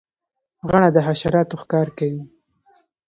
غڼه د حشراتو ښکار کوي